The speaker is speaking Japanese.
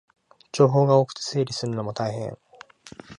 情報が多くて整理するのも大変